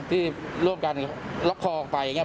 ที่ร่วมกันล็อกคอออกไปอย่างนี้